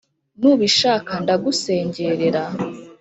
nubishaka ndagusengerera.